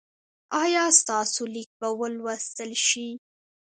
ایا ستاسو لیک به ولوستل شي؟